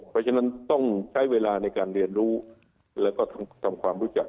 เพราะฉะนั้นต้องใช้เวลาในการเรียนรู้แล้วก็ทำความรู้จัก